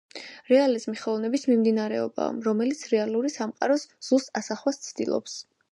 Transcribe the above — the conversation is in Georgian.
Რეალიზმი ხელოვნების მიმდინსრეობაა, რომელიც რეალური სამყაროს ზუსტ ასახვას ცდილობს.